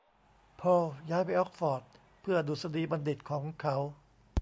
พอลย้ายไปออกซ์ฟอร์ดเพื่อดุษฎีบัณฑิตของเขา